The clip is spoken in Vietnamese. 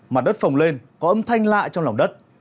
mặt đất phồng lên có âm thanh lạ trong lòng đất